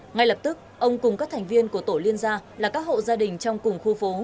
ngay lập tức ông cùng các thành viên của tổ liên gia là các hộ gia đình trong cùng khu phố